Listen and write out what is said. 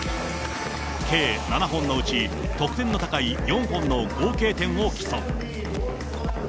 計７本のうち得点の高い４本の合計点を競う。